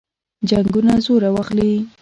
جنګونه زور واخلي.